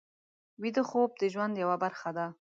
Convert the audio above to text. ویده خوب د ژوند یوه برخه ده